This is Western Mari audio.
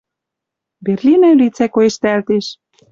Берлин ӧлицӓ коэштӓлтеш